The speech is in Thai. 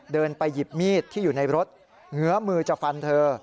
เดินไปหยิบมีดที่อยู่ในรถเหงือมือจะฟันเธอ